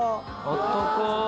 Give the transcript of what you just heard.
あったかーい。